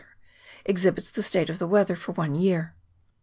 ter, exhibits the state of the weather for one year.